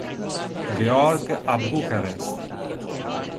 Gheorghe a Bucarest.